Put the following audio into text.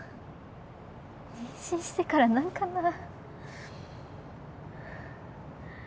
妊娠してから何かな。